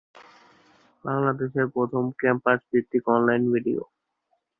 বাংলাদেশের প্রথম ক্যাম্পাস ভিত্তিক অন-লাইন রেডিও।